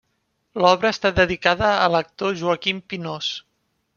L'obra està dedicada a l'actor Joaquim Pinós.